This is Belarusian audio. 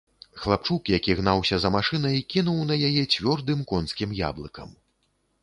Хлапчук, які гнаўся за машынай, кінуў на яе цвёрдым конскім яблыкам.